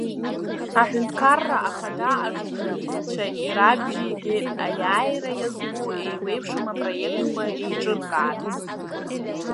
Аҳәынҭқарра ахада ажурналистцәа ирабжьигеит Аиааира иазку еиуеԥшым апроектқәа еиҿыркаарц.